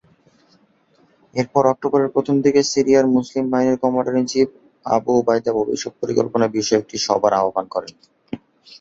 এরপর অক্টোবরের প্রথম দিকে সিরিয়ার মুসলিম বাহিনীর কমান্ডার-ইন-চীফ আবু উবাইদাহ ভবিষ্যত পরিকল্পনা বিষয়ে একটি সভার আহ্বান করেন।